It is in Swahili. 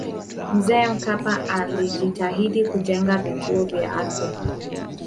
mzee mkapa alijitahidi kujenga vituo vya afya